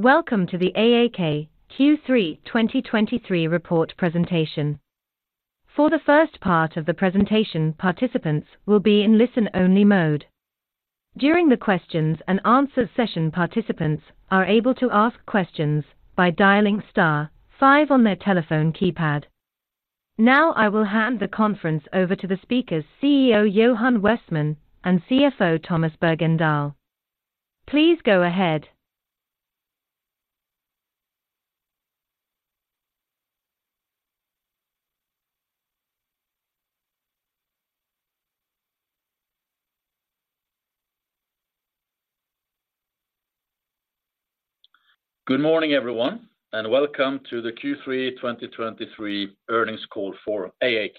Welcome to the AAK Q3 2023 report presentation. For the first part of the presentation, participants will be in listen-only mode. During the questions and answer session, participants are able to ask questions by dialing star five on their telephone keypad. Now, I will hand the conference over to the speakers, CEO Johan Westman and CFO Tomas Bergendahl. Please go ahead. Good morning, everyone, and welcome to the Q3 2023 earnings call for AAK.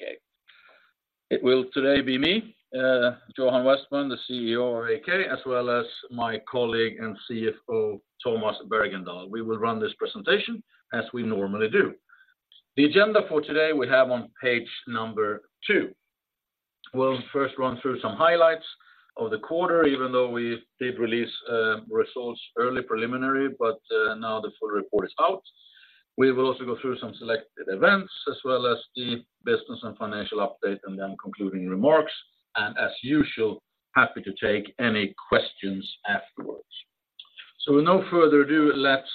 It will today be me, Johan Westman, the CEO of AAK, as well as my colleague and CFO, Tomas Bergendahl. We will run this presentation as we normally do. The agenda for today, we have on page number two. We'll first run through some highlights of the quarter, even though we did release, results early, preliminary, but, now the full report is out. We will also go through some selected events, as well as the business and financial update, and then concluding remarks, and as usual, happy to take any questions afterwards. So with no further ado, let's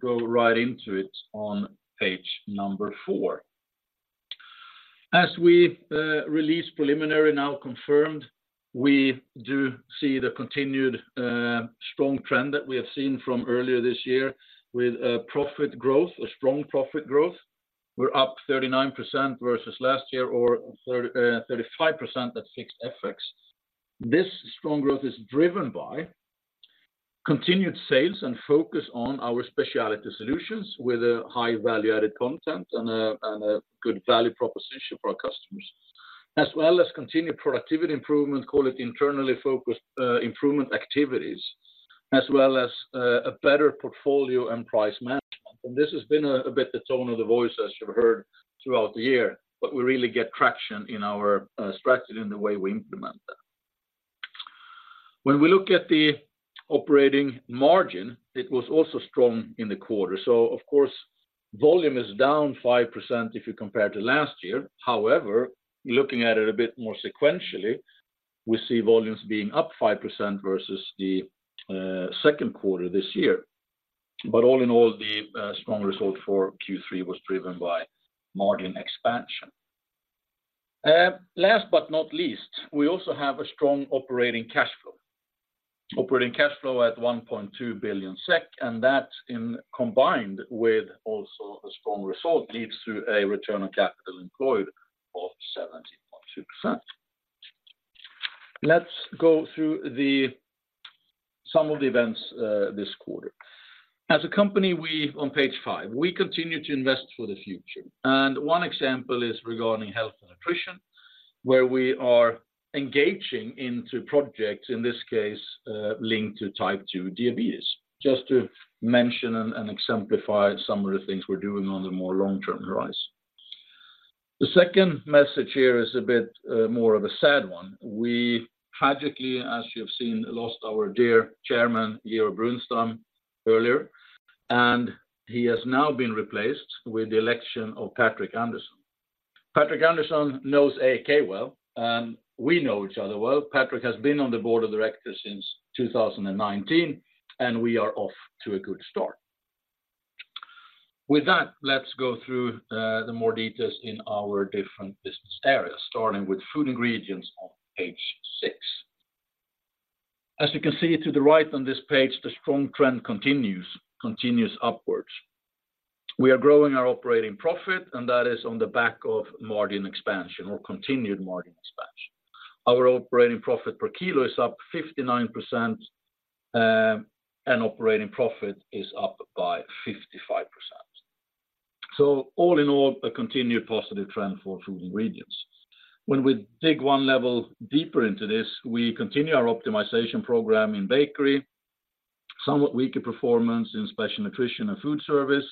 go right into it on page number four. As we released preliminary, now confirmed, we do see the continued strong trend that we have seen from earlier this year with a profit growth, a strong profit growth. We're up 39% versus last year or 35% at fixed FX. This strong growth is driven by continued sales and focus on our specialty solutions with a high value-added content and a good value proposition for our customers, as well as continued productivity improvement, call it internally focused, improvement activities, as well as a better portfolio and price management. And this has been a bit the tone of the voice, as you've heard throughout the year, but we really get traction in our strategy and the way we implement that. When we look at the operating margin, it was also strong in the quarter, so of course, volume is down 5% if you compare to last year. However, looking at it a bit more sequentially, we see volumes being up 5% versus the second quarter this year. But all in all, the strong result for Q3 was driven by margin expansion. Last but not least, we also have a strong operating cash flow. Operating cash flow at 1.2 billion SEK, and that in combination with also a strong result, leads to a return on capital employed of 17.2%. Let's go through the... some of the events this quarter. As a company, we, on page five, we continue to invest for the future, and one example is regarding health and nutrition, where we are engaging into projects, in this case, linked to Type 2 diabetes, just to mention and, and exemplify some of the things we're doing on the more long-term horizon. The second message here is a bit, more of a sad one. We tragically, as you've seen, lost our dear chairman, Georg Brunstam, earlier, and he has now been replaced with the election of Patrik Andersson. Patrik Andersson knows AAK well, and we know each other well. Patrik has been on the board of directors since 2019, and we are off to a good start. With that, let's go through, the more details in our different business areas, starting with Food Ingredients on page six. As you can see to the right on this page, the strong trend continues, continues upwards. We are growing our operating profit, and that is on the back of margin expansion or continued margin expansion. Our operating profit per kilo is up 59%, and operating profit is up by 55%. So all in all, a continued positive trend for Food Ingredients. When we dig one level deeper into this, we continue our optimization program in Bakery, somewhat weaker performance in Special Nutrition and Foodservice,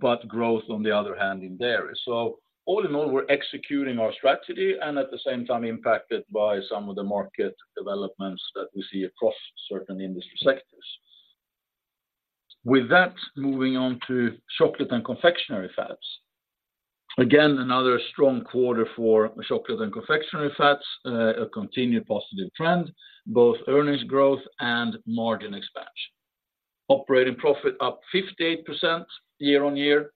but growth, on the other hand, in there. So all in all, we're executing our strategy and at the same time impacted by some of the market developments that we see across certain industry sectors. With that, moving on to Chocolate & Confectionery Fats. Again, another strong quarter for Chocolate & Confectionery Fats, a continued positive trend, both earnings growth and margin expansion. Operating profit up 58% year-on-year,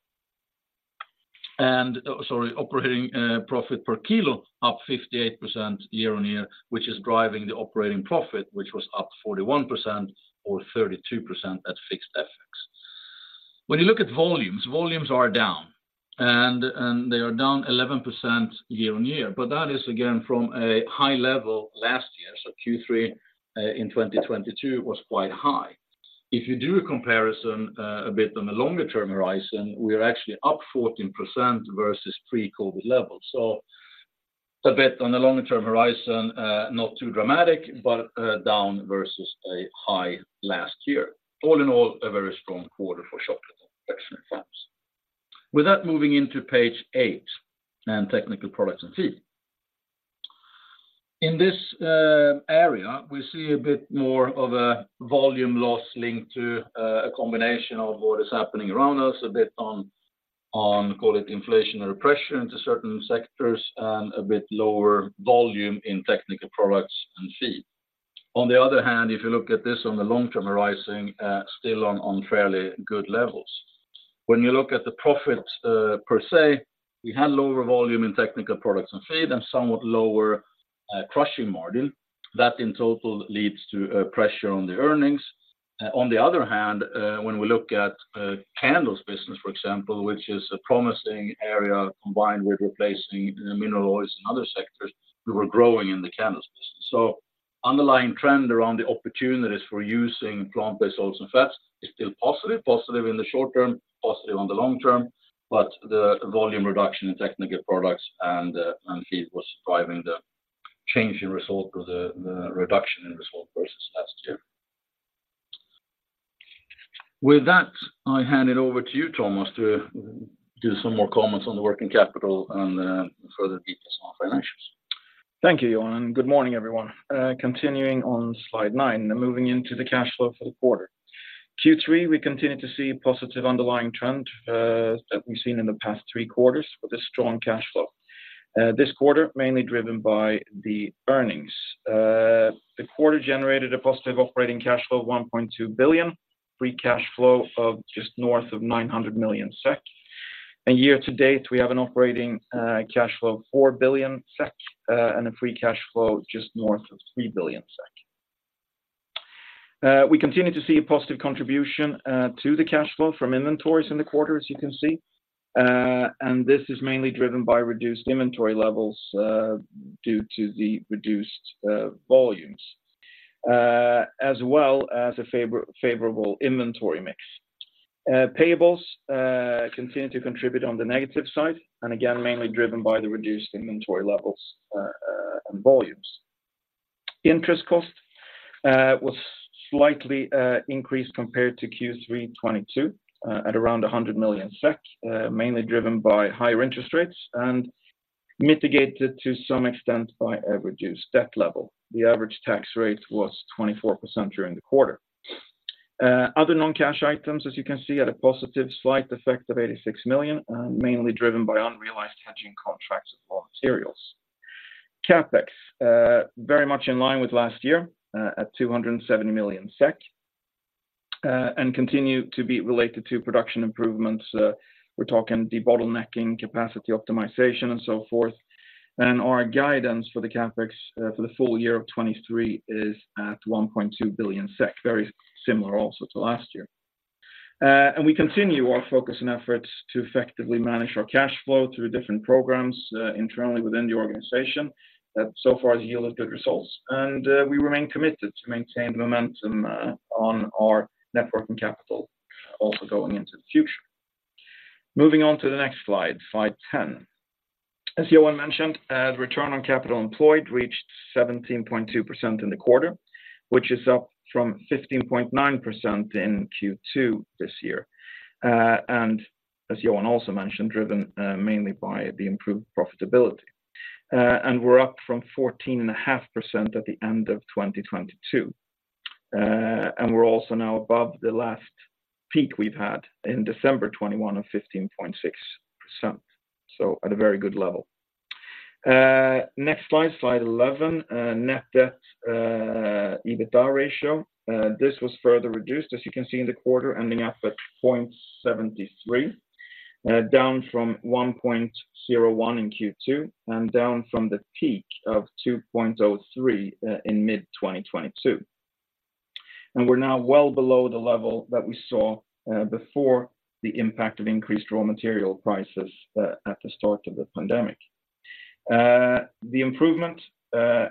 and, sorry, operating profit per kilo up 58% year-on-year, which is driving the operating profit, which was up 41% or 32% at fixed FX. When you look at volumes, volumes are down, and they are down 11% year-on-year, but that is, again, from a high-level last year, so Q3 in 2022 was quite high. If you do a comparison, a bit on a longer-term horizon, we are actually up 14% versus pre-COVID levels. So a bit on a longer-term horizon, not too dramatic, but down versus a high last year. All in all, a very strong quarter for chocolate.... With that, moving into page eight, and Technical Products & Feed. In this area, we see a bit more of a volume loss linked to a combination of what is happening around us, a bit on call it inflationary pressure into certain sectors, and a bit lower volume in Technical Products & Feed. On the other hand, if you look at this on the long-term hirizon, still on fairly good levels. When you look at the profit per se, we had lower volume in Technical Products & Feed, and somewhat lower crushing margin. That, in total, leads to pressure on the earnings. On the other hand, when we look at candles business, for example, which is a promising area, combined with replacing the mineral oils in other sectors, we were growing in the candles business. So underlying trend around the opportunities for using plant-based oils and fats is still positive, positive in the short term, positive on the long term, but the volume reduction in technical products and feed was driving the change in result or the reduction in result versus last year. With that, I hand it over to you, Tomas, to do some more comments on the working capital and further details on financials. Thank you, Johan, and good morning, everyone. Continuing on slide nine, moving into the cash flow for the quarter. Q3, we continue to see positive underlying trend that we've seen in the past three quarters with a strong cash flow. This quarter, mainly driven by the earnings. The quarter generated a positive operating cash flow of 1.2 billion, free cash flow of just north of 900 million SEK. And year to date, we have an operating cash flow of 4 billion SEK, and a free cash flow just north of 3 billion SEK. We continue to see a positive contribution to the cash flow from inventories in the quarter, as you can see, and this is mainly driven by reduced inventory levels due to the reduced volumes as well as a favorable inventory mix. Payables continue to contribute on the negative side, and again, mainly driven by the reduced inventory levels, and volumes. Interest cost was slightly increased compared to Q3 2022, at around 100 million SEK, mainly driven by higher interest rates and mitigated to some extent by a reduced debt level. The average tax rate was 24% during the quarter. Other non-cash items, as you can see, had a positive slight effect of 86 million, mainly driven by unrealized hedging contracts of raw materials. CapEx very much in line with last year, at 270 million SEK, and continue to be related to production improvements. We're talking debottlenecking, capacity optimization, and so forth. Our guidance for the CapEx for the full year of 2023 is at 1.2 billion SEK, very similar also to last year. And we continue our focus and efforts to effectively manage our cash flow through different programs internally within the organization that so far has yielded good results. We remain committed to maintain momentum on our net working capital, also going into the future. Moving on to the next slide, slide 10. As Johan mentioned, return on capital employed reached 17.2% in the quarter, which is up from 15.9% in Q2 this year. And as Johan also mentioned, driven mainly by the improved profitability. We're up from 14.5% at the end of 2022. We're also now above the last peak we've had in December 2021 of 15.6%, so at a very good level. Next slide, slide 11, net debt, EBITDA ratio. This was further reduced, as you can see in the quarter, ending up at 0.73, down from 1.01 in Q2, and down from the peak of 2.03, in mid-2022. And we're now well below the level that we saw, before the impact of increased raw material prices, at the start of the pandemic. The improvement,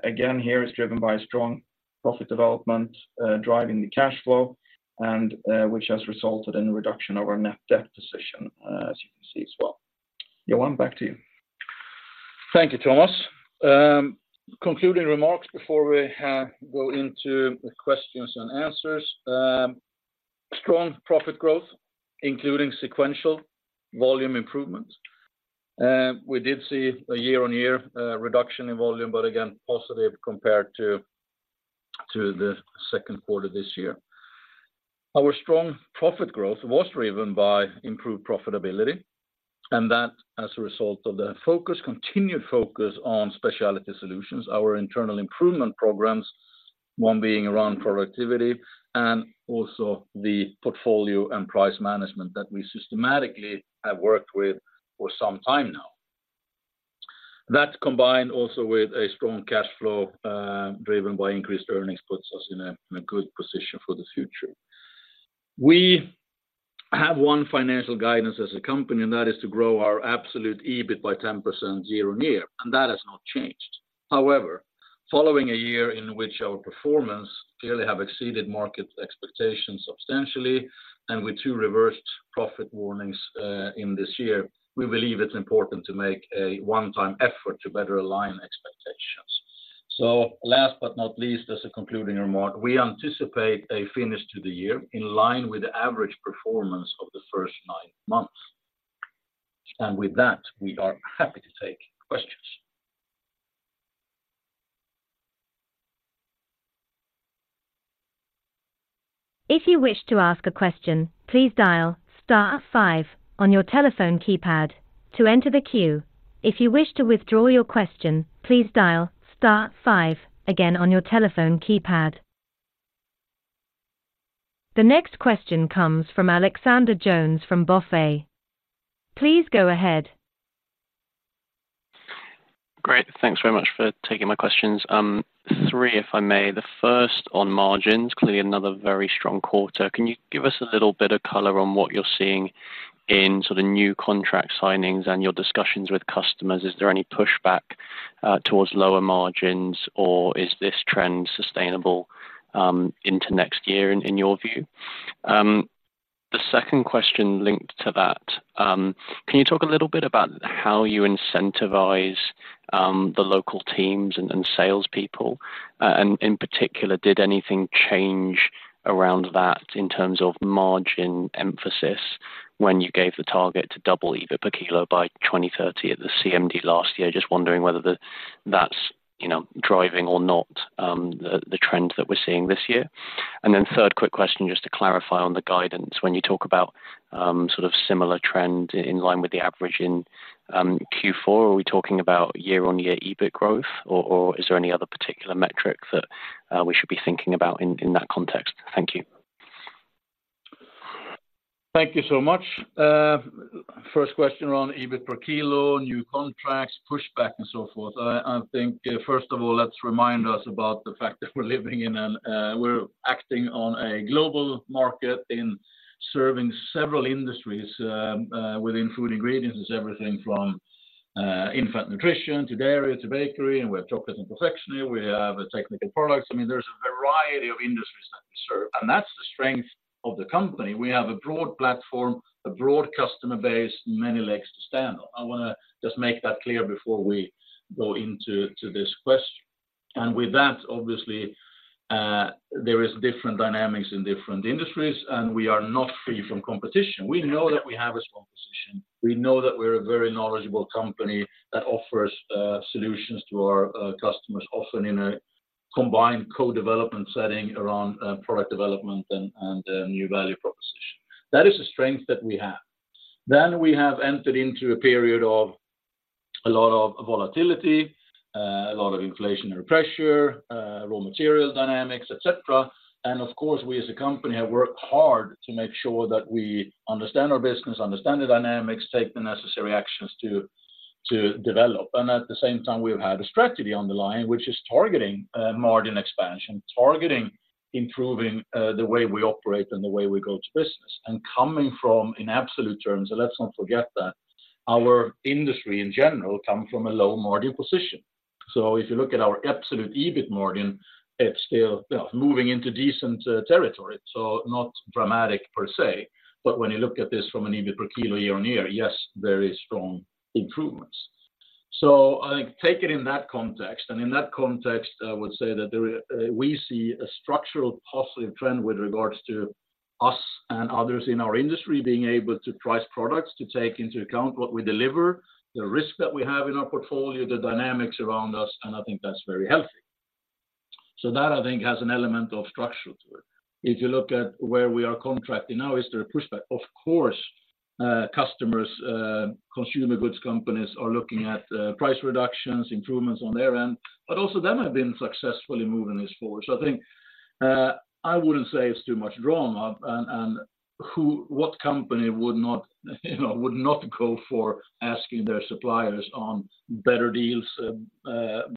again, here is driven by strong profit development, driving the cash flow, and, which has resulted in a reduction of our net debt position, as you can see as well. Johan, back to you. Thank you, Tomas. Concluding remarks before we go into the questions and answers. Strong profit growth, including sequential volume improvements. We did see a year-on-year reduction in volume, but again, positive compared to the second quarter this year. Our strong profit growth was driven by improved profitability, and that as a result of the focus, continued focus on speciality solutions, our internal improvement programs, one being around productivity, and also the portfolio and price management that we systematically have worked with for some time now. That, combined also with a strong cash flow, driven by increased earnings, puts us in a good position for the future. We have one financial guidance as a company, and that is to grow our absolute EBIT by 10% year-on-year, and that has not changed. However, following a year in which our performance clearly have exceeded market expectations substantially, and with two reversed profit warnings, in this year, we believe it's important to make a one-time effort to better align expectations…. So last but not least, as a concluding remark, we anticipate a finish to the year in line with the average performance of the first nine months. And with that, we are happy to take questions. If you wish to ask a question, please dial star five on your telephone keypad to enter the queue. If you wish to withdraw your question, please dial star five again on your telephone keypad. The next question comes from Alexander Jones from BofA. Please go ahead. Great. Thanks very much for taking my questions. Three, if I may. The first on margins, clearly another very strong quarter. Can you give us a little bit of color on what you're seeing in sort of new contract signings and your discussions with customers? Is there any pushback towards lower margins, or is this trend sustainable into next year, in your view? The second question linked to that, can you talk a little bit about how you incentivize the local teams and salespeople? And in particular, did anything change around that in terms of margin emphasis when you gave the target to double EBIT per kilo by 2030 at the CMD last year? Just wondering whether that's, you know, driving or not the trend that we're seeing this year. Then third quick question, just to clarify on the guidance. When you talk about sort of similar trend in line with the average in Q4, are we talking about year-on-year EBIT growth, or is there any other particular metric that we should be thinking about in that context? Thank you. Thank you so much. First question around EBIT per kilo, new contracts, pushback, and so forth. I think, first of all, let's remind us about the fact that we're acting on a global market in serving several industries within food ingredients. It's everything from infant nutrition, to Dairy, to bakery, and we have chocolate and confectionery, we have technical products. I mean, there's a variety of industries that we serve, and that's the strength of the company. We have a broad platform, a broad customer base, many legs to stand on. I want to just make that clear before we go into this question. And with that, obviously, there is different dynamics in different industries, and we are not free from competition. We know that we have a strong position. We know that we're a very knowledgeable company that offers solutions to our customers, often in a combined co-development setting around product development and new value proposition. That is a strength that we have. Then we have entered into a period of a lot of volatility, a lot of inflationary pressure, raw material dynamics, et cetera. And of course, we as a company have worked hard to make sure that we understand our business, understand the dynamics, take the necessary actions to develop. And at the same time, we've had a strategy on the line, which is targeting margin expansion, targeting improving the way we operate and the way we go to business. And coming from, in absolute terms, and let's not forget that our industry in general come from a low-margin position. So if you look at our absolute EBIT margin, it's still moving into decent territory. So not dramatic per se, but when you look at this from an EBIT per kilo year-on-year, yes, there is strong improvements. So I take it in that context, and in that context, I would say that there we see a structural positive trend with regards to us and others in our industry being able to price products, to take into account what we deliver, the risk that we have in our portfolio, the dynamics around us, and I think that's very healthy. So that, I think, has an element of structure to it. If you look at where we are contracting now, is there a pushback? Of course, customers, consumer goods companies are looking at price reductions, improvements on their end, but also them have been successfully moving this forward. So I think, I wouldn't say it's too much drama, and what company would not, you know, would not go for asking their suppliers on better deals,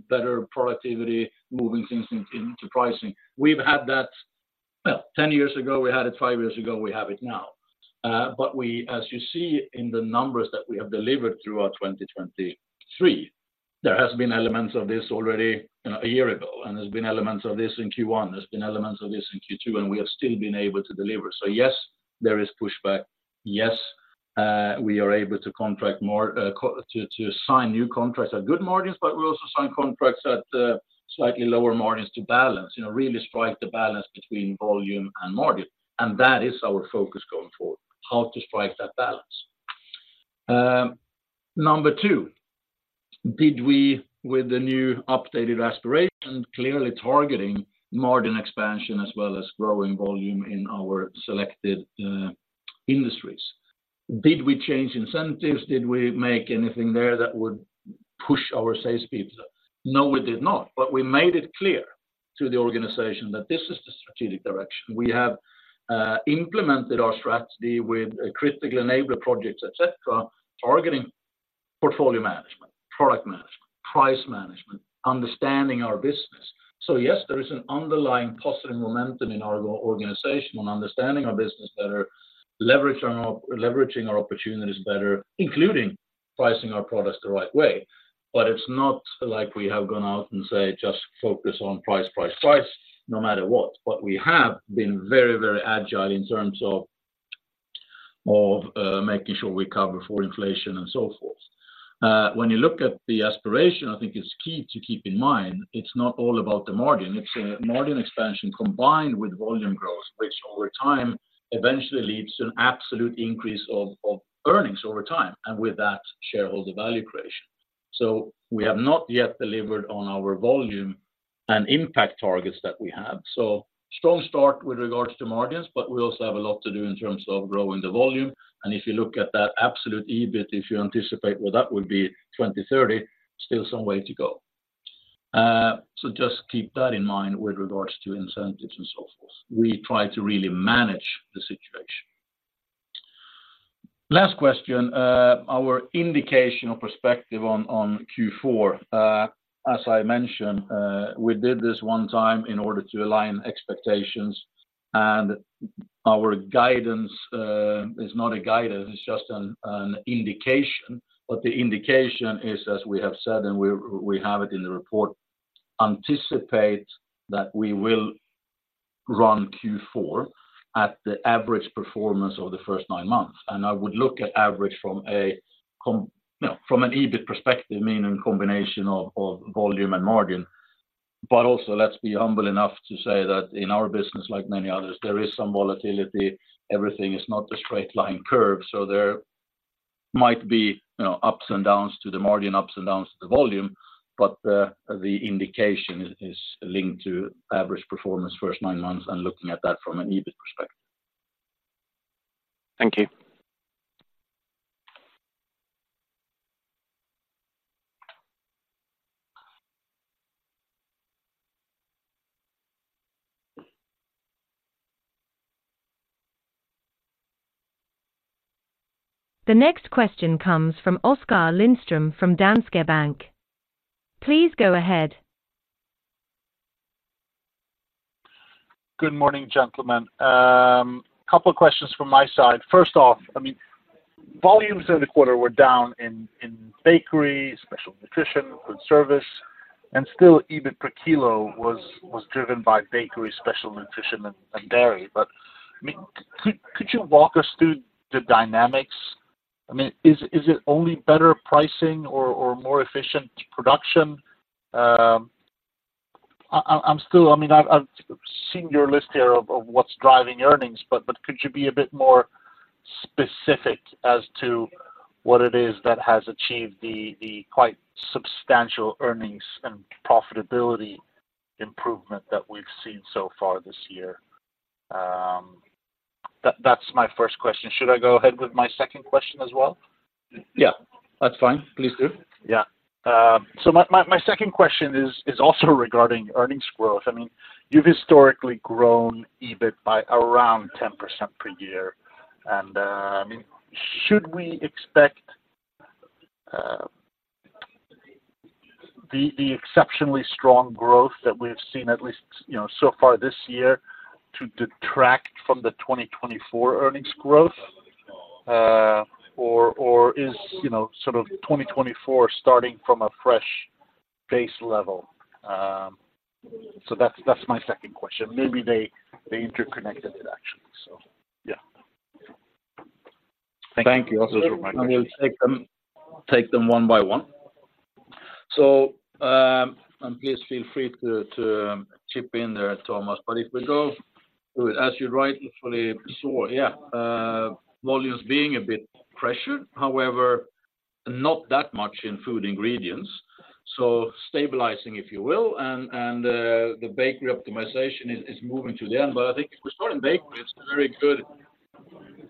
better productivity, moving things into pricing? We've had that, well, 10 years ago, we had it 5 years ago, we have it now. But we, as you see in the numbers that we have delivered throughout 2023, there has been elements of this already, you know, a year ago, and there's been elements of this in Q1, there's been elements of this in Q2, and we have still been able to deliver. So yes, there is pushback. Yes, we are able to contract more, to sign new contracts at good margins, but we also sign contracts at slightly lower margins to balance, you know, really strike the balance between volume and margin, and that is our focus going forward, how to strike that balance. Number two, did we, with the new updated aspiration, clearly targeting margin expansion as well as growing volume in our selected industries, did we change incentives? Did we make anything there that would push our sales people? No, we did not, but we made it clear to the organization that this is the strategic direction. We have implemented our strategy with a critical enabler projects, et cetera, targeting portfolio management, product management, price management, understanding our business. So yes, there is an underlying positive momentum in our organization on understanding our business better, leveraging our opportunities better, including pricing our products the right way. But it's not like we have gone out and say, "Just focus on price, price, price, no matter what." But we have been very, very agile in terms of making sure we cover for inflation and so forth. When you look at the aspiration, I think it's key to keep in mind, it's not all about the margin. It's a margin expansion combined with volume growth, which over time, eventually leads to an absolute increase of, of earnings over time, and with that, shareholder value creation. So we have not yet delivered on our volume and impact targets that we have. So strong start with regards to margins, but we also have a lot to do in terms of growing the volume. And if you look at that absolute EBIT, if you anticipate where that would be 2030, still some way to go. So just keep that in mind with regards to incentives and so forth. We try to really manage the situation. Last question, our indication or perspective on, on Q4. As I mentioned, we did this one time in order to align expectations, and our guidance is not a guidance, it's just an indication. But the indication is, as we have said, and we, we have it in the report, anticipate that we will run Q4 at the average performance of the first nine months. I would look at average, you know, from an EBIT perspective, meaning a combination of volume and margin. But also, let's be humble enough to say that in our business, like many others, there is some volatility. Everything is not a straight line curve, so there might be, you know, ups and downs to the margin, ups and downs to the volume, but the indication is linked to average performance first nine months and looking at that from an EBIT perspective. Thank you. The next question comes from Oskar Lindström from Danske Bank. Please go ahead. Good morning, gentlemen. Couple of questions from my side. First off, I mean, volumes in the quarter were down in bakery, special nutrition, food service, and still, EBIT per kilo was driven by bakery, special nutrition and dairy. But, I mean, could you walk us through the dynamics? I mean, is it only better pricing or more efficient production? I'm still... I mean, I've seen your list here of what's driving earnings, but could you be a bit more specific as to what it is that has achieved the quite substantial earnings and profitability improvement that we've seen so far this year? That's my first question. Should I go ahead with my second question as well? Yeah, that's fine. Please do. Yeah. So my second question is also regarding earnings growth. I mean, you've historically grown EBIT by around 10% per year. And I mean, should we expect the exceptionally strong growth that we have seen, at least, you know, so far this year, to detract from the 2024 earnings growth? Or is, you know, sort of 2024 starting from a fresh base level? So that's my second question. Maybe they interconnected it, actually. So yeah. Thank you, Oskar. Those were my questions. I will take them, take them one by one. So, and please feel free to chip in there, Tomas. But if we go, as you rightfully saw, volumes being a bit pressured, however, not that much in food ingredients, so stabilizing, if you will, and the bakery optimization is moving to them. But I think if we start in bakery, it's a very good,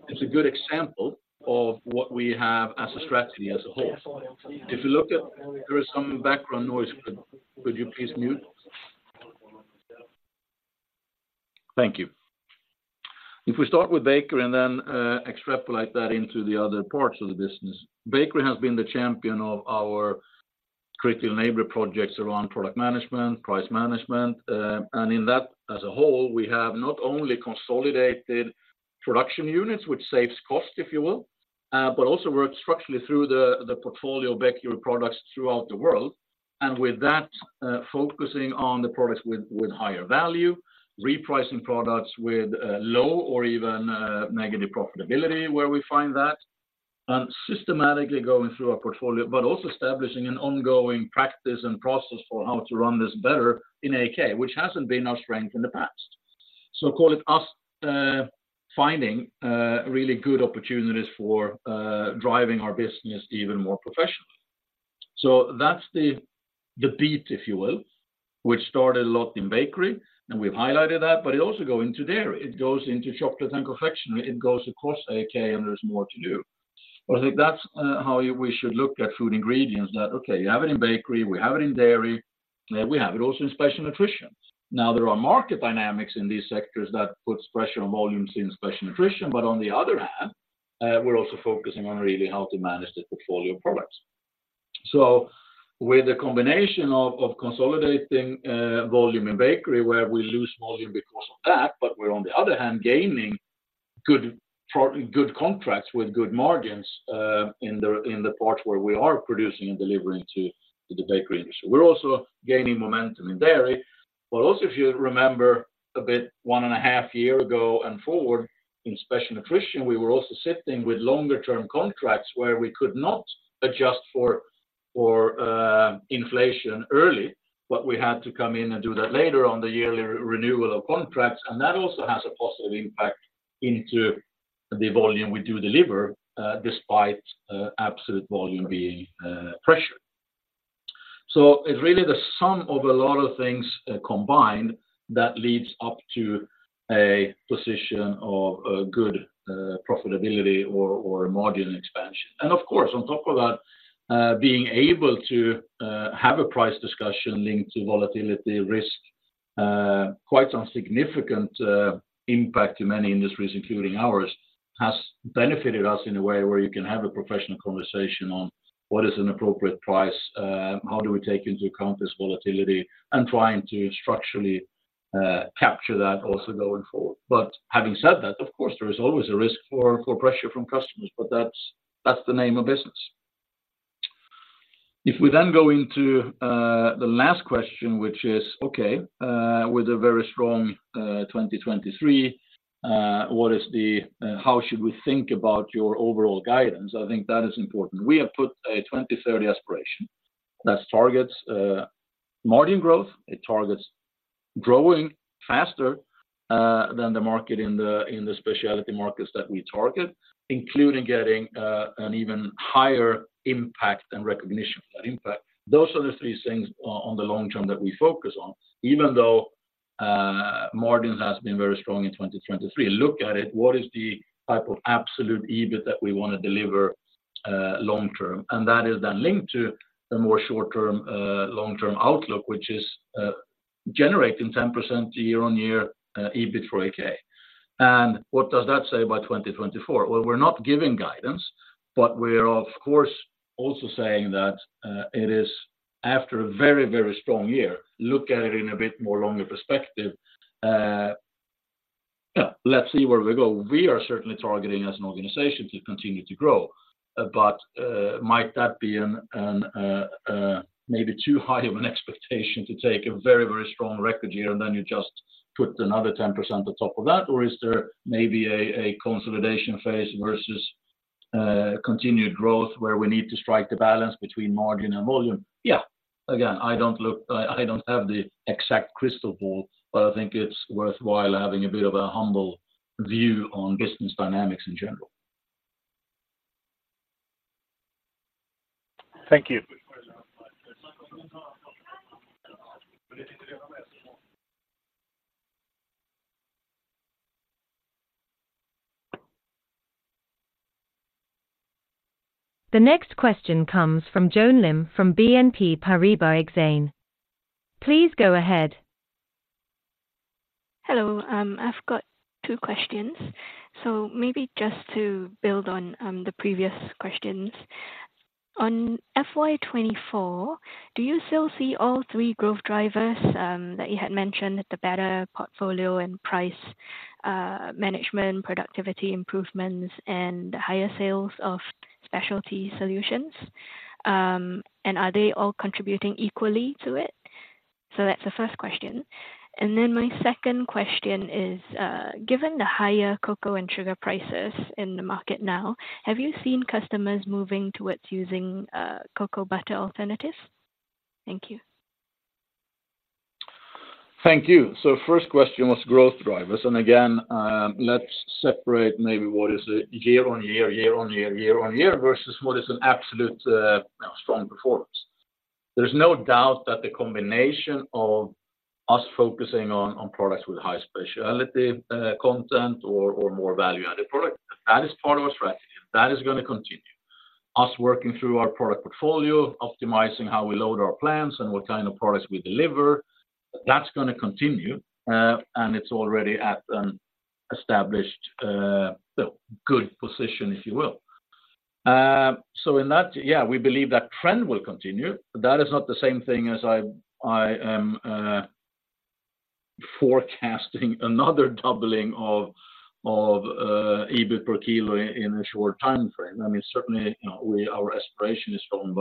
it's a good example of what we have as a strategy as a whole. If you look at... There is some background noise, could you please mute? Thank you. If we start with bakery and then extrapolate that into the other parts of the business, bakery has been the champion of our critical enabler projects around product management, price management. And in that, as a whole, we have not only consolidated production units, which saves cost, if you will, but also worked structurally through the portfolio bakery products throughout the world. And with that, focusing on the products with higher value, repricing products with low or even negative profitability, where we find that, and systematically going through our portfolio, but also establishing an ongoing practice and process for how to run this better in AAK, which hasn't been our strength in the past. So call it us finding really good opportunities for driving our business even more professionally. So that's the beat, if you will, which started a lot in bakery, and we've highlighted that, but it also go into dairy. It goes into chocolate and confectionery, it goes across AAK, and there is more to do. But I think that's how we should look at food ingredients, that, okay, we have it in bakery, we have it in dairy, we have it also in special nutrition. Now, there are market dynamics in these sectors that puts pressure on volumes in special nutrition, but on the other hand, we're also focusing on really how to manage the portfolio products. So with a combination of consolidating volume in bakery, where we lose volume because of that, but we're on the other hand, gaining good contracts with good margins in the parts where we are producing and delivering to the bakery industry. We're also gaining momentum in dairy. But also, if you remember a bit, 1.5 years ago and forward in special nutrition, we were also sitting with longer term contracts where we could not adjust for inflation early, but we had to come in and do that later on the yearly renewal of contracts, and that also has a positive impact into the volume we do deliver, despite absolute volume being pressured. So it's really the sum of a lot of things combined that leads up to a position of good profitability or margin expansion. And of course, on top of that, being able to have a price discussion linked to volatility risk, quite a significant impact in many industries, including ours, has benefited us in a way where you can have a professional conversation on what is an appropriate price, how do we take into account this volatility, and trying to structurally capture that also going forward. But having said that, of course, there is always a risk for pressure from customers, but that's the name of business. If we then go into the last question, which is, okay, with a very strong 2023, what is the how should we think about your overall guidance? I think that is important. We have put a 2030 aspiration that targets margin growth. It targets growing faster than the market in the specialty markets that we target, including getting an even higher impact and recognition of that impact. Those are the three things on the long term that we focus on, even though margins has been very strong in 2023. Look at it, what is the type of absolute EBIT that we want to deliver long term? And that is then linked to the more short term long-term outlook, which is generating 10% year-on-year EBIT for AAK. And what does that say about 2024? Well, we're not giving guidance, but we're of course also saying that it is after a very, very strong year. Look at it in a bit more longer perspective. Yeah, let's see where we go. We are certainly targeting as an organization to continue to grow, but might that be a maybe too high of an expectation to take a very, very strong record year, and then you just put another 10% on top of that? Or is there maybe a consolidation phase versus continued growth, where we need to strike the balance between margin and volume? Yeah. Again, I don't have the exact crystal ball, but I think it's worthwhile having a bit of a humble view on business dynamics in general. Thank you. The next question comes from Joan Lim, from BNP Paribas Exane. Please go ahead. Hello, I've got two questions. So maybe just to build on the previous questions. On FY 2024, do you still see all three growth drivers that you had mentioned, the better portfolio and price management, productivity improvements, and the higher sales of specialty solutions? And are they all contributing equally to it? So that's the first question. And then my second question is, given the higher cocoa and sugar prices in the market now, have you seen customers moving towards using cocoa butter alternatives? Thank you. Thank you. So first question was growth drivers, and again, let's separate maybe what is a year-on-year, year-on-year, year-on-year, versus what is an absolute, you know, strong performance. There's no doubt that the combination of us focusing on products with high specialty content or more value-added product, that is part of our strategy. That is going to continue. Us working through our product portfolio, optimizing how we load our plants and what kind of products we deliver, that's going to continue, and it's already at an established good position, if you will. So in that, yeah, we believe that trend will continue. That is not the same thing as I am forecasting another doubling of EBIT per kilo in a short time frame. I mean, certainly, you know, our aspiration is strong,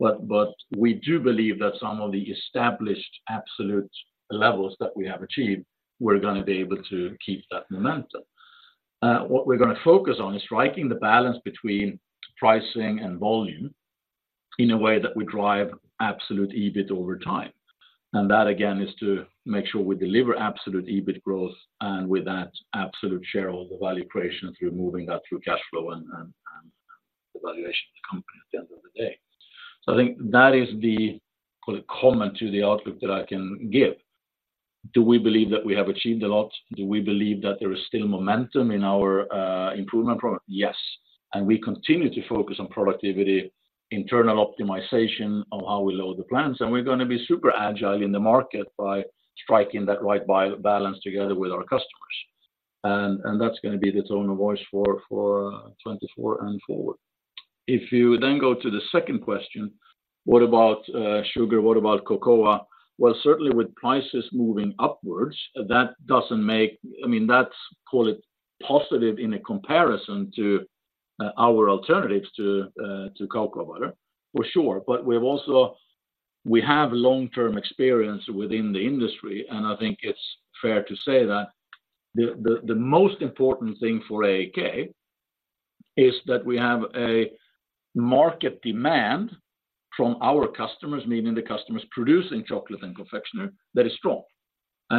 but we do believe that some of the established absolute levels that we have achieved, we're going to be able to keep that momentum. What we're going to focus on is striking the balance between pricing and volume in a way that we drive absolute EBIT over time. And that, again, is to make sure we deliver absolute EBIT growth, and with that, absolute share of the value creation through moving that through cash flow and the valuation of the company at the end of the day. So I think that is the call it comment to the outlook that I can give. Do we believe that we have achieved a lot? Do we believe that there is still momentum in our improvement product? Yes. We continue to focus on productivity, internal optimization of how we load the plants, and we're going to be super agile in the market by striking that right balance together with our customers. And that's going to be the tone of voice for 2024 and forward. If you then go to the second question: What about sugar? What about cocoa? Well, certainly with prices moving upwards, that doesn't make... I mean, that's, call it positive in a comparison to our alternatives to to cocoa butter, for sure. But we've also... we have long-term experience within the industry, and I think it's fair to say that the most important thing for AAK is that we have a market demand from our customers, meaning the customers producing chocolate and confectionery, that is strong.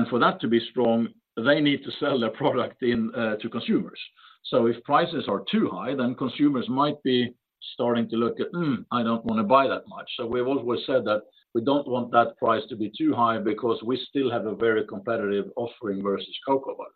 For that to be strong, they need to sell their product in to consumers. So if prices are too high, then consumers might be starting to look at, "Hmm, I don't wanna buy that much." So we've always said that we don't want that price to be too high because we still have a very competitive offering versus cocoa butter.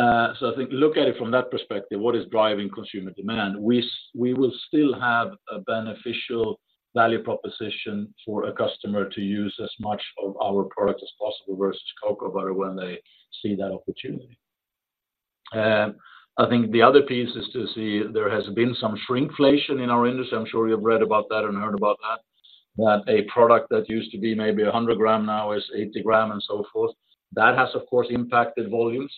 I think look at it from that perspective, what is driving consumer demand? We will still have a beneficial value proposition for a customer to use as much of our product as possible versus cocoa butter when they see that opportunity. I think the other piece is to see there has been some shrinkflation in our industry. I'm sure you've read about that and heard about that, that a product that used to be maybe 100 gram now is 80 gram and so forth. That has, of course, impacted volumes,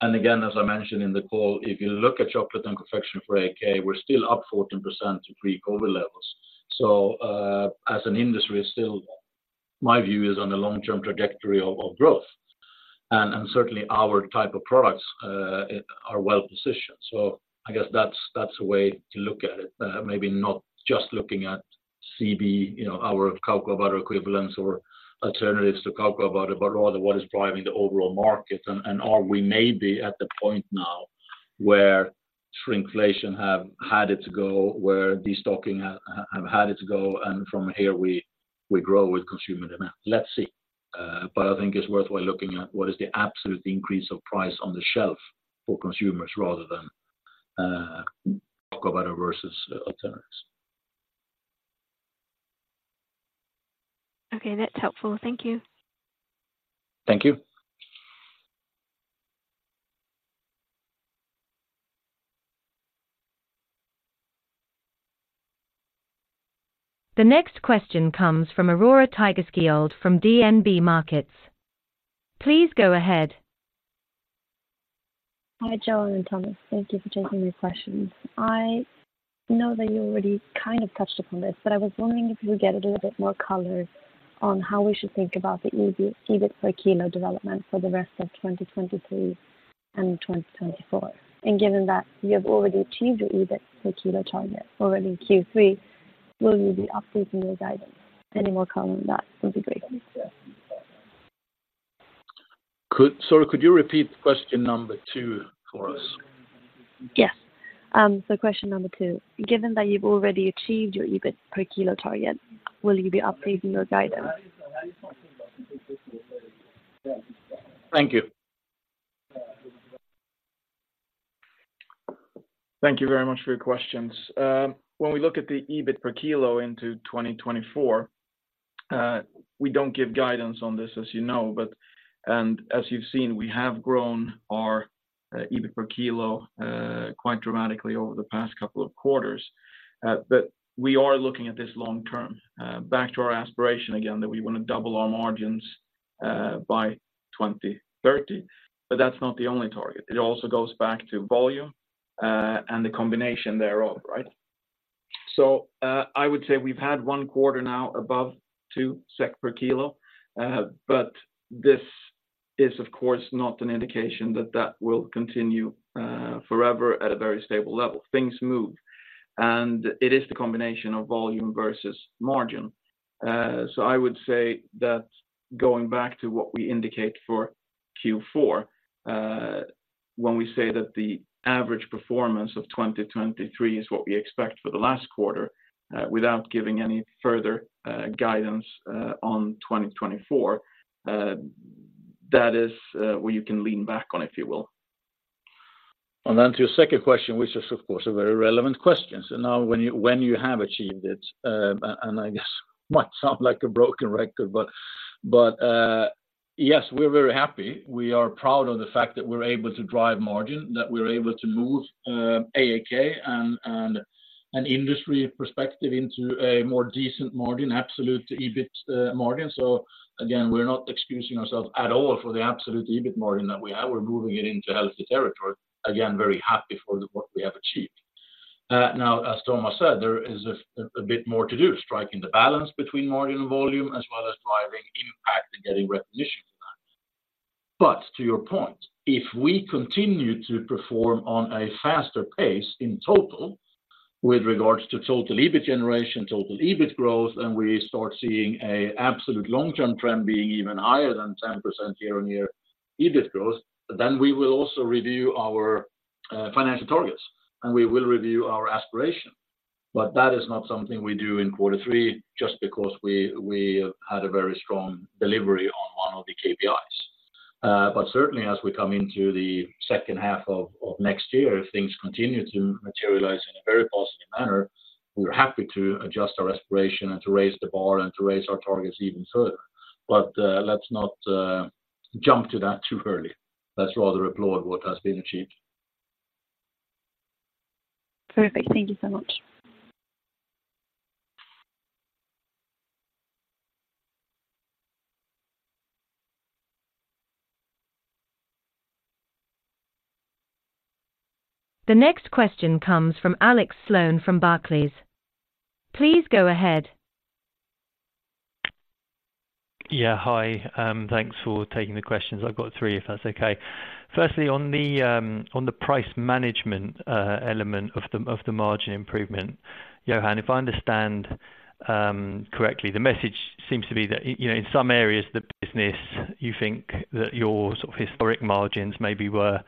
and again, as I mentioned in the call, if you look at chocolate and confection for AAK, we're still up 14% to pre-COVID levels. So, as an industry, still, my view is on the long-term trajectory of, of growth, and, and certainly our type of products, are well positioned. So I guess that's, that's a way to look at it, maybe not just looking at CB, you know, our cocoa butter equivalents or alternatives to cocoa butter, but rather what is driving the overall market. Are we maybe at the point now where shrinkflation have had it to go, where destocking have had it to go, and from here we grow with consumer demand? Let's see. But I think it's worthwhile looking at what is the absolute increase of price on the shelf for consumers rather than cocoa butter versus alternatives. Okay, that's helpful. Thank you. Thank you. The next question comes from Aurore Tigerschiöld from DNB Markets. Please go ahead. Hi, Johan and Tomas. Thank you for taking these questions. I know that you already kind of touched upon this, but I was wondering if you could get a little bit more color on how we should think about the EBIT per kilo development for the rest of 2023 and 2024. Given that you have already achieved your EBIT per kilo target already in Q3, will you be updating your guidance? Any more color on that would be great. Sorry, could you repeat question number two for us? Yes. So question number two: Given that you've already achieved your EBIT per kilo target, will you be updating your guidance? Thank you. Thank you very much for your questions. When we look at the EBIT per kilo into 2024, we don't give guidance on this, as you know, but as you've seen, we have grown our EBIT per kilo quite dramatically over the past couple of quarters. But we are looking at this long-term, back to our aspiration again, that we wanna double our margins by 2030. But that's not the only target. It also goes back to volume and the combination thereof, right? So, I would say we've had one quarter now above 2 SEK per kilo, but this is, of course, not an indication that that will continue forever at a very stable level. Things move, and it is the combination of volume versus margin. So, I would say that going back to what we indicate for Q4, when we say that the average performance of 2023 is what we expect for the last quarter, without giving any further guidance on 2024, that is where you can lean back on, if you will. And then to your second question, which is, of course, a very relevant question. So now when you have achieved it, and I guess it might sound like a broken record, but yes, we're very happy. We are proud of the fact that we're able to drive margin, that we're able to move AAK and an industry perspective into a more decent margin, absolute EBIT margin. So again, we're not excusing ourselves at all for the absolute EBIT margin that we have. We're moving it into healthy territory. Again, very happy for the work we have achieved. Now, as Tomas said, there is a bit more to do, striking the balance between margin and volume, as well as driving impact and getting recognition for that. But to your point, if we continue to perform on a faster pace in total, with regards to total EBIT generation, total EBIT growth, and we start seeing a absolute long-term trend being even higher than 10% year-on-year EBIT growth, then we will also review our, financial targets, and we will review our aspiration. But that is not something we do in quarter three, just because we have had a very strong delivery on one of the KPIs. But certainly as we come into the second half of next year, if things continue to materialize in a very positive manner, we're happy to adjust our aspiration and to raise the bar and to raise our targets even further. But, let's not, jump to that too early. Let's rather applaud what has been achieved. Perfect. Thank you so much.... The next question comes from Alex Sloane from Barclays. Please go ahead. Yeah, hi. Thanks for taking the questions. I've got three, if that's okay. Firstly, on the price management element of the margin improvement, Johan, if I understand correctly, the message seems to be that, you know, in some areas of the business, you think that your sort of historic margins maybe were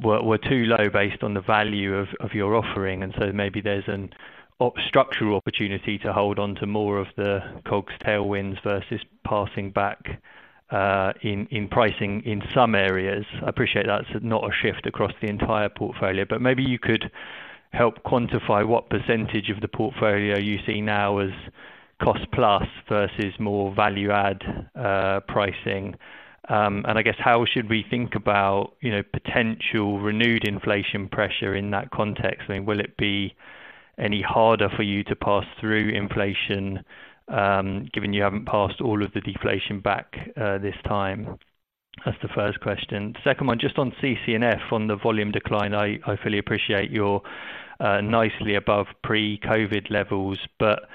too low based on the value of your offering, and so maybe there's a structural opportunity to hold on to more of the COGS tailwinds versus passing back in pricing in some areas. I appreciate that's not a shift across the entire portfolio, but maybe you could help quantify what percentage of the portfolio you see now as cost plus versus more value-add pricing. And I guess, how should we think about, you know, potential renewed inflation pressure in that context? I mean, will it be any harder for you to pass through inflation, given you haven't passed all of the deflation back, this time? That's the first question. Second one, just on CC&F, on the volume decline, I fully appreciate you're nicely above pre-COVID levels, but,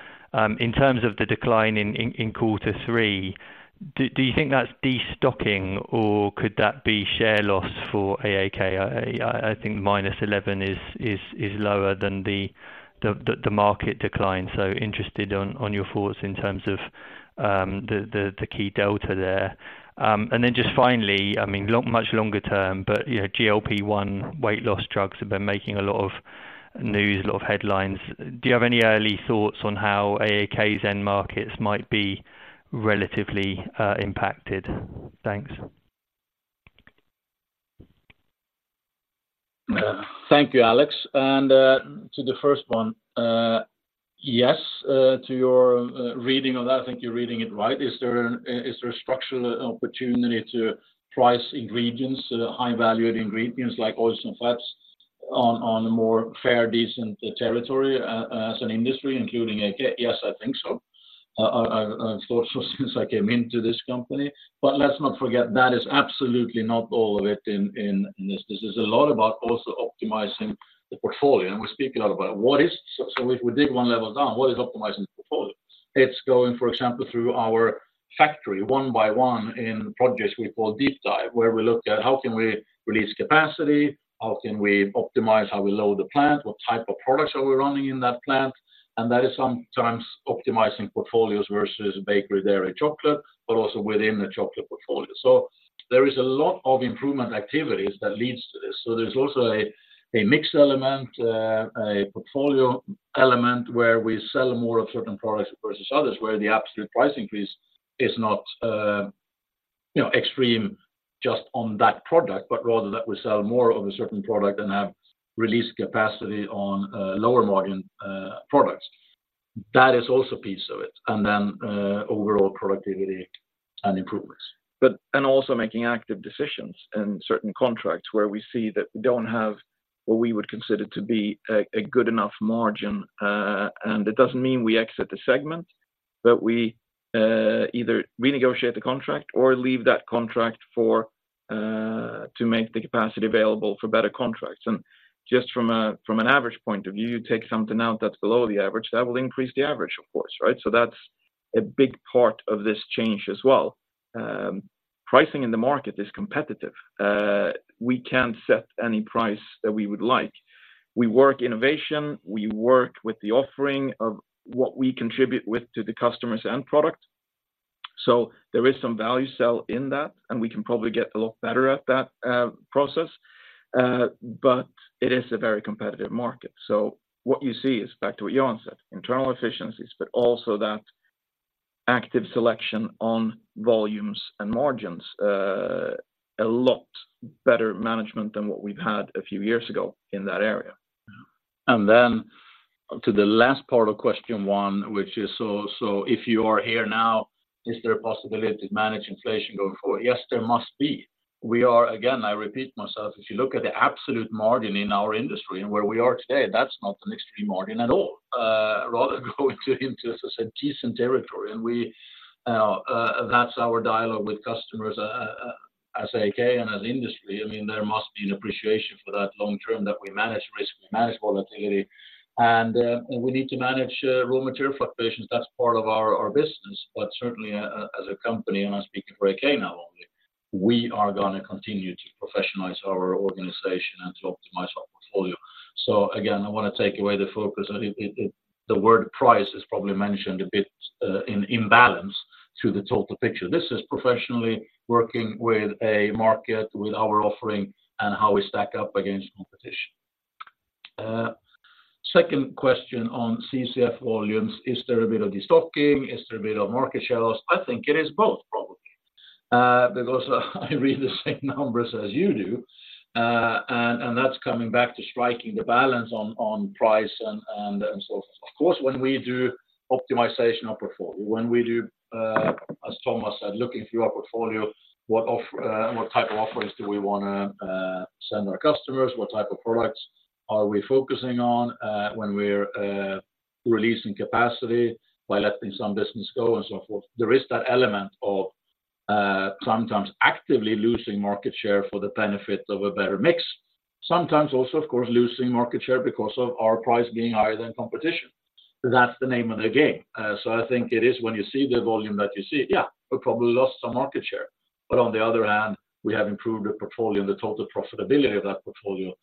in terms of the decline in quarter three, do you think that's destocking, or could that be share loss for AAK? I think -11 is lower than the market decline. So interested on your thoughts in terms of the key delta there. And then just finally, I mean, long, much longer term, but, you know, GLP-1 weight loss drugs have been making a lot of news, a lot of headlines. Do you have any early thoughts on how AAK's end markets might be relatively impacted? Thanks. Thank you, Alex. And to the first one, yes, to your reading of that, I think you're reading it right. Is there a structural opportunity to price ingredients, high-value ingredients like oils and fats, on a more fair, decent territory, as an industry, including AAK? Yes, I think so. I've thought so since I came into this company. But let's not forget, that is absolutely not all of it in this. This is a lot about also optimizing the portfolio, and we're speaking a lot about it. What is optimizing the portfolio? So if we dig one level down, what is optimizing the portfolio? It's going, for example, through our factory one by one, in projects we call deep dive, where we look at how can we release capacity? How can we optimize how we load the plant? What type of products are we running in that plant? And that is sometimes optimizing portfolios versus bakery, dairy, chocolate, but also within the chocolate portfolio. So there is a lot of improvement activities that leads to this. So there's also a mix element, a portfolio element, where we sell more of certain products versus others, where the absolute price increase is not, you know, extreme just on that product, but rather that we sell more of a certain product and have released capacity on, lower margin, products. That is also a piece of it, and then, overall productivity and improvements. And also making active decisions in certain contracts where we see that we don't have what we would consider to be a good enough margin. And it doesn't mean we exit the segment, but we either renegotiate the contract or leave that contract for to make the capacity available for better contracts. And just from an average point of view, you take something out that's below the average, that will increase the average, of course, right? So that's a big part of this change as well. Pricing in the market is competitive. We can't set any price that we would like. We work innovation, we work with the offering of what we contribute with to the customers and product. So there is some value sell in that, and we can probably get a lot better at that process. But it is a very competitive market. So what you see is back to what Johan said, internal efficiencies, but also that active selection on volumes and margins, a lot better management than what we've had a few years ago in that area. And then to the last part of question one, which is, so if you are here now, is there a possibility to manage inflation going forward? Yes, there must be. We are, again, I repeat myself, if you look at the absolute margin in our industry and where we are today, that's not an extreme margin at all. Rather, going into, as I said, decent territory. And we, that's our dialogue with customers, as AAK and as industry. I mean, there must be an appreciation for that long term that we manage risk, we manage volatility, and, and we need to manage, raw material fluctuations. That's part of our, our business. But certainly, as a company, and I'm speaking for AAK now only, we are gonna continue to professionalize our organization and to optimize our portfolio. So again, I wanna take away the focus. I think it, it, the word price is probably mentioned a bit, in imbalance to the total picture. This is professionally working with a market, with our offering, and how we stack up against competition. Second question on CCF volumes, is there a bit of destocking? Is there a bit of market share loss? I think it is both, probably, because I read the same numbers as you do. And that's coming back to striking the balance on price and so on and so forth. Of course, when we do optimization of portfolio, when we do, as Tomas said, looking through our portfolio, what type of offerings do we wanna send our customers? What type of products are we focusing on, when we're releasing capacity by letting some business go and so forth? There is that element of sometimes actively losing market share for the benefit of a better mix. Sometimes also, of course, losing market share because of our price being higher than competition. That's the name of the game. So I think it is when you see the volume that you see, yeah, we probably lost some market share. But on the other hand, we have improved the portfolio and the total profitability of that portfolio.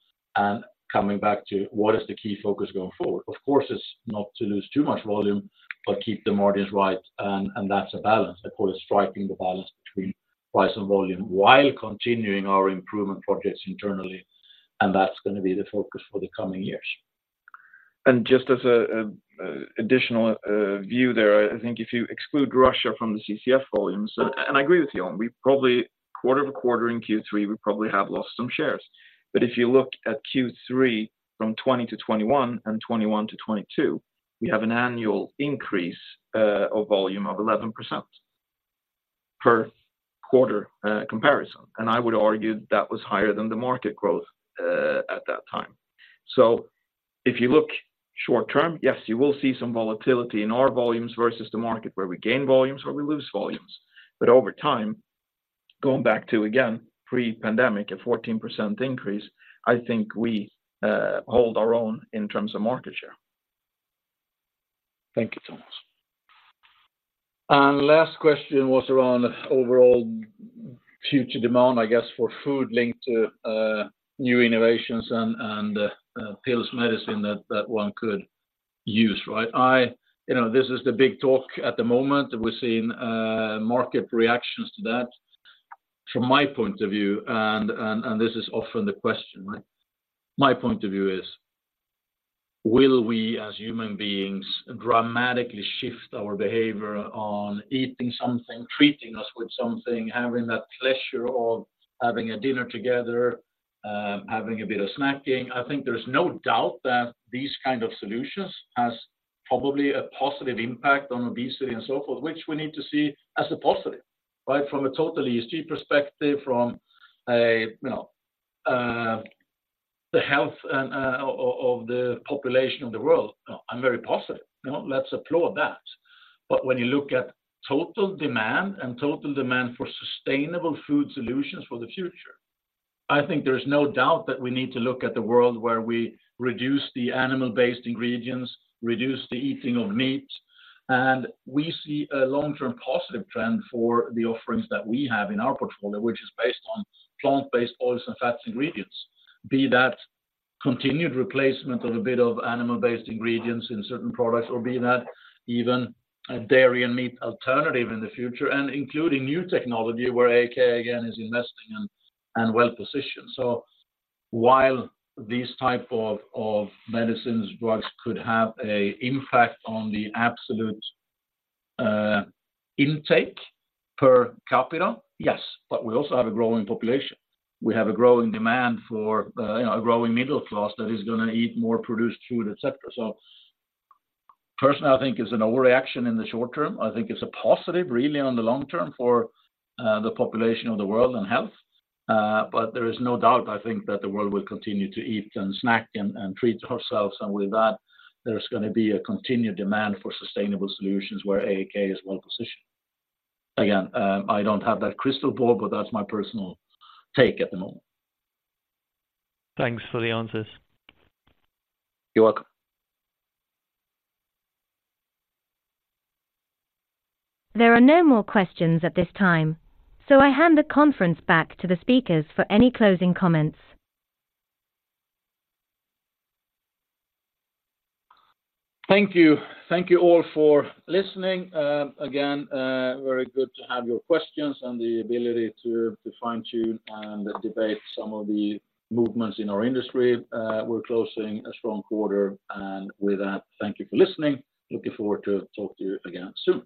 Coming back to what is the key focus going forward? Of course, it's not to lose too much volume, but keep the margins right, and that's a balance. I call it striking the balance between price and volume while continuing our improvement projects internally, and that's gonna be the focus for the coming years. And just as an additional view there, I think if you exclude Russia from the CCF volumes, and I agree with you on we probably quarter-over-quarter in Q3, we probably have lost some shares. But if you look at Q3 from 2020 to 2021 and 2021 to 2022, we have an annual increase of volume of 11% per quarter comparison, and I would argue that was higher than the market growth at that time. So if you look short-term, yes, you will see some volatility in our volumes versus the market, where we gain volumes or we lose volumes. But over time, going back to, again, pre-pandemic, a 14% increase, I think we hold our own in terms of market share. Thank you, Tomas. Last question was around overall future demand, I guess, for food linked to new innovations and pills, medicine that one could use, right? You know, this is the big talk at the moment. We're seeing market reactions to that. From my point of view, this is often the question, right? My point of view is, will we, as human beings, dramatically shift our behavior on eating something, treating us with something, having that pleasure of having a dinner together, having a bit of snacking? I think there's no doubt that this kind of solution has probably a positive impact on obesity and so forth, which we need to see as a positive, right? From a total ESG perspective, from a, you know, the health and of the population of the world, I'm very positive. You know, let's applaud that. But when you look at total demand and total demand for sustainable food solutions for the future, I think there is no doubt that we need to look at the world where we reduce the animal-based ingredients, reduce the eating of meat. And we see a long-term positive trend for the offerings that we have in our portfolio, which is based on plant-based oils and fats ingredients. Be that continued replacement of a bit of animal-based ingredients in certain products or be that even a dairy and meat alternative in the future, and including new technology where AAK, again, is investing in and well-positioned. So while these types of medicines, drugs could have a impact on the absolute intake per capita, yes, but we also have a growing population. We have a growing demand for a growing middle class that is gonna eat more produced food, et cetera. So personally, I think it's an overreaction in the short term. I think it's a positive, really, on the long term for the population of the world and health. But there is no doubt, I think, that the world will continue to eat and snack and treat ourselves. And with that, there's gonna be a continued demand for sustainable solutions where AAK is well positioned. Again, I don't have that crystal ball, but that's my personal take at the moment. Thanks for the answers. You're welcome. There are no more questions at this time, so I hand the conference back to the speakers for any closing comments. Thank you. Thank you all for listening. Again, very good to have your questions and the ability to fine-tune and debate some of the movements in our industry. We're closing a strong quarter, and with that, thank you for listening. Looking forward to talk to you again soon.